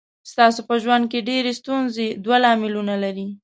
ستاسو په ژوند کې ډېرې ستونزې دوه لاملونه لري.